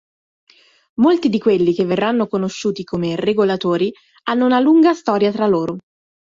Molti di quelli che verranno conosciuti come "Regolatori" hanno una lunga storia tra loro.